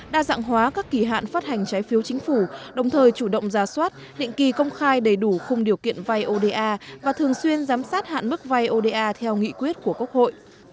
đa dạng hóa các kỳ hạn phát hành trái phiếu chính phủ đồng thời chủ động ra soát định kỳ công khai đầy đủ khung điều kiện vai oda và thường xuyên giám sát hạn mức vay oda theo nghị quyết của quốc hội